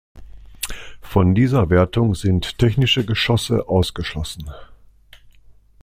Von dieser Wertung sind technische Geschosse ausgeschlossen.